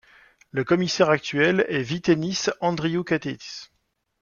Le commissaire actuel est Vytenis Andriukaitis.